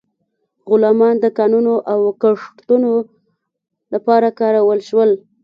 غلامان د کانونو او کښتونو لپاره کارول شول.